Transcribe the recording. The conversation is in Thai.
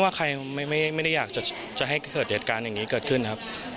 ว่าใครไม่ไม่ได้อยากจะจะให้ถือเรียกการอย่างนี้เกิดขึ้นครับ